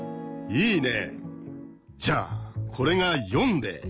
いいね。